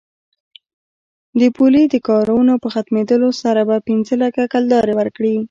د پولې د کارونو په ختمېدلو سره به پنځه لکه کلدارې ورکړي.